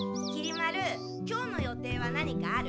丸今日の予定は何かある？